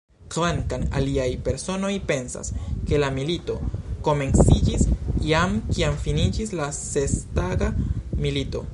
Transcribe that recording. Kvankam aliaj personoj pensas, ke la milito komenciĝis jam, kiam finiĝis la Sestaga Milito.